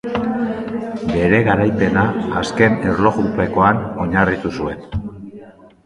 Bere garaipena azken erlojupekoan oinarritu zuen.